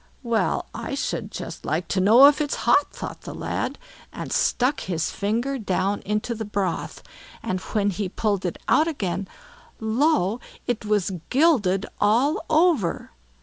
"Well, I should just like to know if it's hot," thought the lad, and stuck his finger down into the broth, and when he pulled it out again, lo! it was gilded all over.